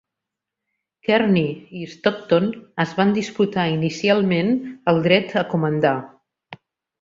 Kearny i Stockton es van disputar inicialment el dret a comandar.